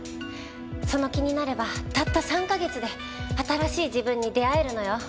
その気になればたった３カ月で新しい自分に出会えるのよ。